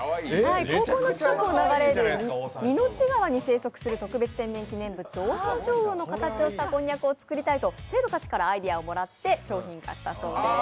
高校の近くを流れる水内川に生息する特別天然記念物、オオサンショウウオの形をしたこんにゃくを作りたいと、生徒たちからアイデアをもらって商品化したということです。